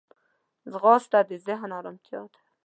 ځغاسته د ذهن ارمتیا ده